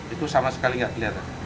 itu sama sekali nggak kelihatan